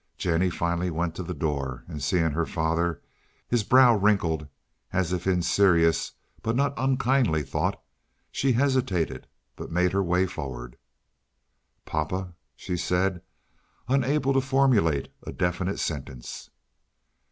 Jennie finally went to the door, and, seeing her father, his brow wrinkled as if in serious but not unkindly thought, she hesitated, but made her way forward. "Papa," she said, unable to formulate a definite sentence.